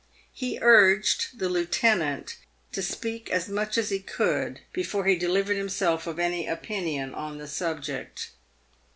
He urged the lieutenant to speak as much as he could, before he delivered himself of any opinion on the subject.